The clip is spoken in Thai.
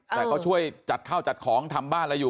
แต่เขาช่วยจัดข้าวจัดของทำบ้านอะไรอยู่